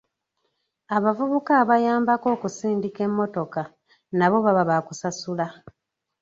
Abavubuka abayambako okusindika emmotoka nabo baba baakusasula.